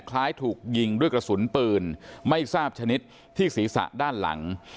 คล้ายถูกยิงด้วยกระสุนปืนไม่ทราบชนิดที่ศีรษะด้านหลัง